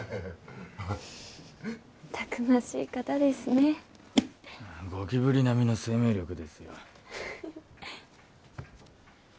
たくましい方ですねゴキブリ並みの生命力ですよ